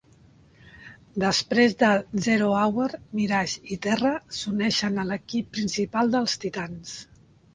Després de "Zero Hour", Mirage i Terra s'uneixen a l'equip principal dels Titans.